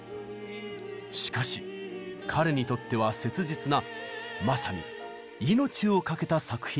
しかし彼にとっては切実なまさに命を懸けた作品だったのです。